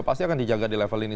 pasti akan dijaga di level ini